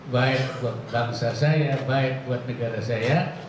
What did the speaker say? baik buat bangsa saya baik buat negara saya